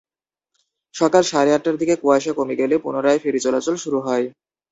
সকাল সাড়ে আটটার দিকে কুয়াশা কমে গেলে পুনরায় ফেরি চলাচল শুরু হয়।